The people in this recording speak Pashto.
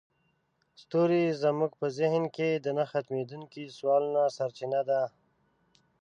ستوري زموږ په ذهن کې د نه ختمیدونکي سوالونو سرچینه ده.